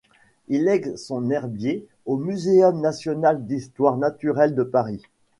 Il lègue son herbier au Muséum national d'histoire naturelle de Paris.